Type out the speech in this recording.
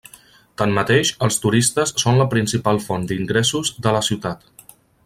Tanmateix, els turistes són la principal font d'ingressos de la ciutat.